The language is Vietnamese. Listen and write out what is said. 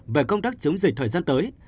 về công tác chống dịch thời gian tới